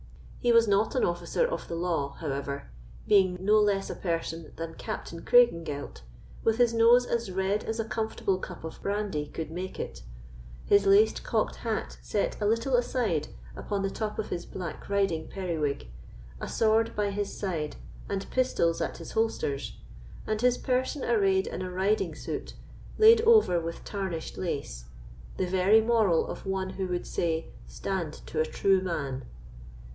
He was not an officer of the law, however; being no less a person than Captain Craigengelt, with his nose as red as a comfortable cup of brandy could make it, his laced cocked hat set a little aside upon the top of his black riding periwig, a sword by his side and pistols at his holsters, and his person arrayed in a riding suit, laid over with tarnished lace—the very moral of one who would say, "Stand to a true man."